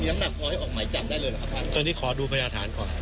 มีอังงามพอให้ออกไหมจับได้เลยหรอครับค่ะตอนนี้ขอดูพยาฐานก่อน